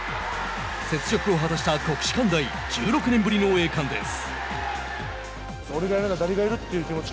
雪辱を果たした国士舘大１６年ぶりの栄冠です。